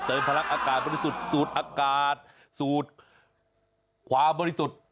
พลังอากาศบริสุทธิ์สูดอากาศสูดความบริสุทธิ์